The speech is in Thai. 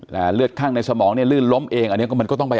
แต่เลือดข้างในสมองเนี่ยลื่นล้มเองอันนี้ก็มันก็ต้องไป